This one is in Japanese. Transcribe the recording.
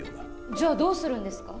じゃあどうするんですか？